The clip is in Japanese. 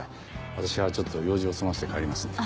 私はちょっと用事を済ませて帰りますので。